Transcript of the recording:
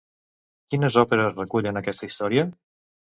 Quines òperes recullen aquesta història?